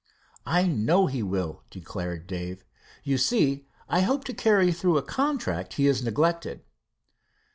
"I know he will," declared Dave. "You see, I hope to carry through a contract he has neglected."